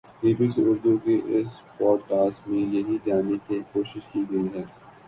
be B C Urdu کی اس podcast میں یہی جاننے کی کوشش کی گئی ہے